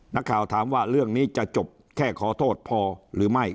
นักข่าวถามว่าเรื่องนี้จะจบแค่ขอโทษพอหรือไม่